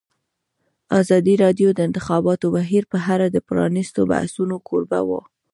ازادي راډیو د د انتخاباتو بهیر په اړه د پرانیستو بحثونو کوربه وه.